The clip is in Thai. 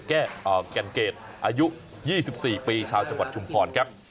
แก่นเกรดอายุ๒๔ปีชาวจังหวัดชุมพรครับ